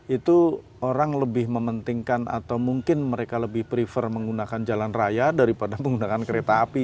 itu orang lebih mementingkan atau mungkin mereka lebih prefer menggunakan jalan raya daripada menggunakan kereta api